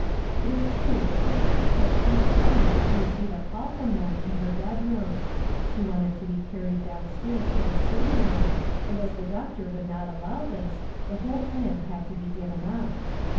It is true that this was because she declined to receive a call from them in her bedroom; she wanted to be carried downstairs to the sitting room, and as the doctor would not allow this, the whole plan had to be given up.